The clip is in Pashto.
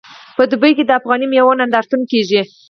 په دوبۍ کې د افغاني میوو نندارتون کیږي.